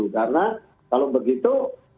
karena kalau begitu